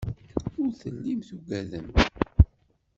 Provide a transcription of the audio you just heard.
Ur tellim tugadem.